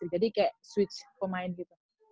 jadi kayak switch pemain gitu